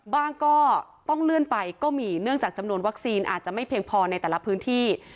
ก็ต้องเลื่อนไปก็มีเนื่องจากจำนวนวัคซีนอาจจะไม่เพียงพอในแต่ละพื้นที่